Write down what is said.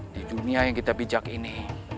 di dunia yang kita bijak ini